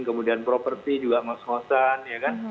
kemudian properti juga ngos ngosan